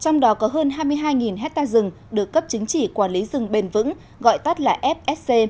trong đó có hơn hai mươi hai hectare rừng được cấp chứng chỉ quản lý rừng bền vững gọi tắt là fsc